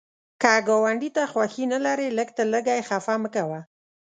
که ګاونډي ته خوښي نه لرې، لږ تر لږه یې خفه مه کوه